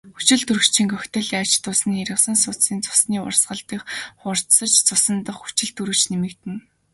Хүчилтөрөгчийн коктейлийн ач тус нь хялгасан судасны цусны урсгал хурдсаж цусан дахь хүчилтөрөгч нэмэгдэнэ.